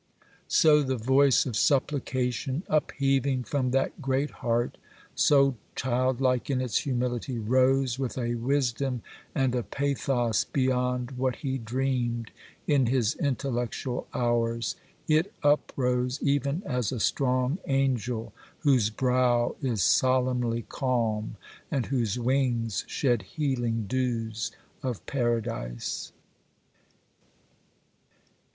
So the voice of supplication, upheaving from that great heart, so childlike in its humility, rose with a wisdom and a pathos beyond what he dreamed in his intellectual hours; it uprose even as a strong angel, whose brow is solemnly calm, and whose wings shed healing dews of paradise.